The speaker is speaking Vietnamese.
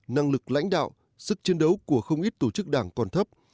năng lực lãnh đạo sức chiến đấu của không ít tổ chức đảng còn thấp